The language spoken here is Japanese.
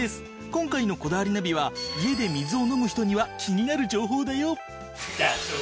今回の『こだわりナビ』は家で水を飲む人には気になる情報だよ！